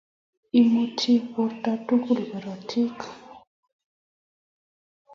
Imuti borto tugul korotik